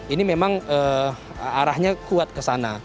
ini memang arahnya kuat kesana